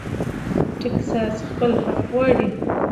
ټیکساس خپل حق غواړي.